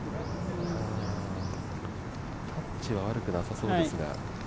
タッチは悪くなさそうですが。